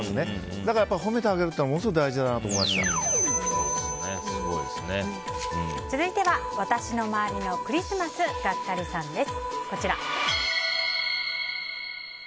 だから褒めてあげるというのは続いては私の周りのクリスマスガッカリさんです。